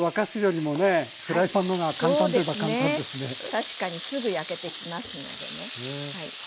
確かにすぐ焼けてきますのでね。